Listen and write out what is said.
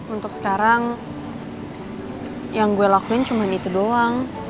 untuk sekarang yang gue lakuin cuma itu doang